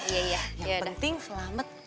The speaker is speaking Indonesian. yang penting selamat